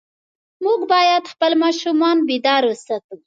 موږ باید خپل ماشومان بیدار وساتو.